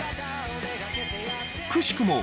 くしくも